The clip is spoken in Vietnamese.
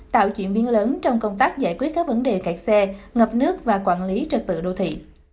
tạo chuyển biến lớn trong công tác giải quyết các vấn đề cạch xe ngập nước và quản lý trật tự đô thị